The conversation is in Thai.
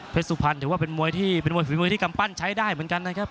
สุพรรณถือว่าเป็นมวยที่เป็นมวยฝีมือที่กำปั้นใช้ได้เหมือนกันนะครับ